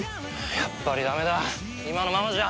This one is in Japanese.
やっぱりダメだ今のままじゃ！